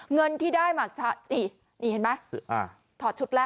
เงินที่ได้มานี่เห็นไหมถอดชุดแล้ว